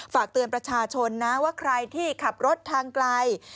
ฝากเตือนประชาชนนะว่าใครที่ขับรถทางไกล